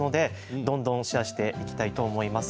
どんどんシェアしていきたいと思います。